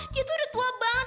dia tuh udah tua banget